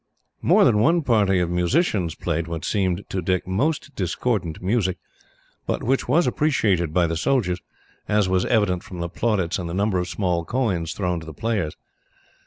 More than one party of musicians played what seemed to Dick most discordant music, but which was appreciated by the soldiers, as was evident from the plaudits and the number of small coins thrown to the players.